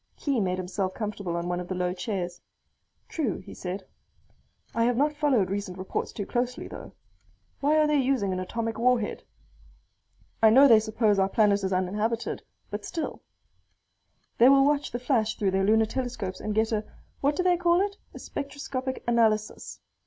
Khee made himself comfortable on one of the low chairs. "True," he said. "I have not followed recent reports too closely, though. Why are they using an atomic warhead? I know they suppose our planet is uninhabited, but still " "They will watch the flash through their lunar telescopes and get a what do they call it? a spectroscopic analysis.